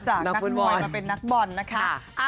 นักมวยมาเป็นนักบอลนะคะ